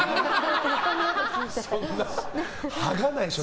そんなはがないでしょ